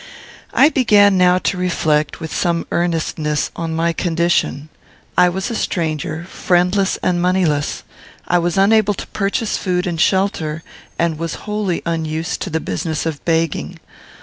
I began now to reflect, with some earnestness, on my condition. I was a stranger, friendless and moneyless. I was unable to purchase food and shelter, and was wholly unused to the business of begging.